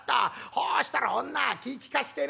「ほうしたら女は気ぃ利かしてね